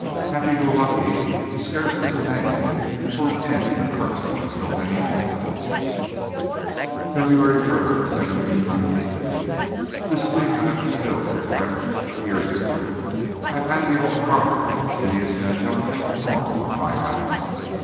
"Happy Go Lucky" is scarcely the name for an inn accursed by so many horrors. FEBRUARY 3, 1792. This week I have fulfilled the threat of years ago. I have had the oak parlor and its hideous adjunct torn from my house.